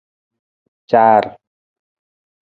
Car.